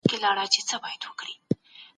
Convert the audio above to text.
په خپلو دندو او مسؤليتونو کي هيڅکله غفلت مه کوه.